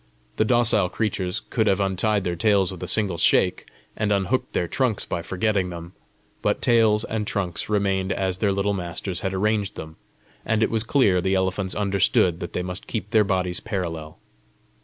The docile creatures could have untied their tails with a single shake, and unhooked their trunks by forgetting them; but tails and trunks remained as their little masters had arranged them, and it was clear the elephants understood that they must keep their bodies parallel.